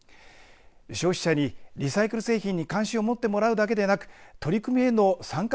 消費者にリサイクル製品に関心を持ってもらうだけでなく取り組みへの参加